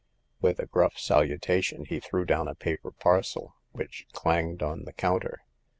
With a gruff salutation, he threw down a paper parcel, which clanged on the counter.